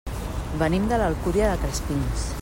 Venim de l'Alcúdia de Crespins.